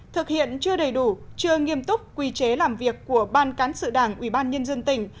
thực hiện chưa đầy đủ chưa nghiêm túc quy chế làm việc của ban cán sự đảng ubnd tỉnh